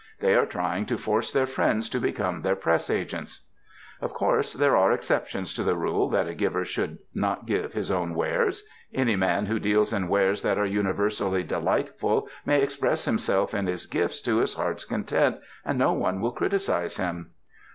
They are trying to force their friends to become their press agents. Of course there are exceptions to the rule that a giver should not give his own wares. Any man who deals in wares that are universally delightful may express himself in his gifts to his heart's content and no one will criticise him.